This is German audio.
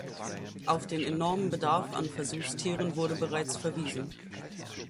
Auf den enormen Bedarf an Versuchstieren wurde bereits verwiesen.